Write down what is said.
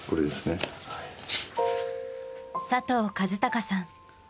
佐藤和隆さん。